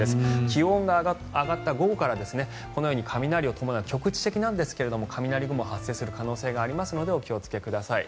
気温が上がった午後からこのように雷を伴う局地的なんですが雷雲が発生する可能性がありますのでお気をつけください。